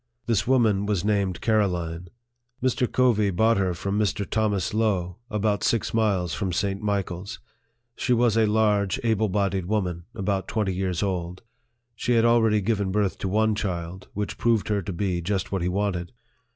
This woman was named Caroline. Mr. Covey bought her from Mr. Thomas Lowe, about six miles from St. Michael's. She was a large, able bodied woman, about twenty years old. She had already given birth to one child, which proved her to be just what he wanted.